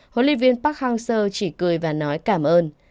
huấn luyện viên park hang seo chỉ cười và nói cảm ơn